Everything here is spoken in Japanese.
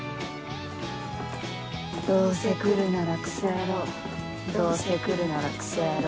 どうせ来るならクソ野郎どうせ来るならクソ野郎。